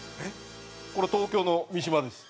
これ東京の三島です。